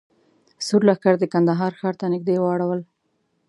سور لښکر د کندهار ښار ته نږدې واړول.